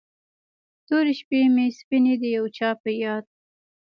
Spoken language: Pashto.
تورې شپې مې سپینې د یو چا په یاد